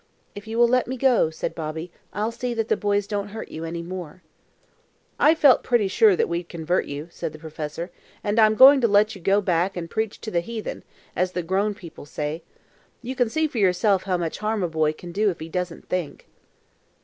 "If you will let me go," said Bobby, "I'll see that the boys don't hurt you any more." "I felt pretty sure that we'd converted you," said the professor; "and I'm going to let you go back and preach to the heathen, as the grown people say. You can see for yourself how much harm a boy can do if he doesn't think."